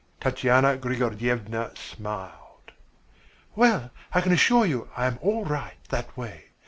Tatyana Grigoryevna smiled. "Well, I can assure you I am all right that way.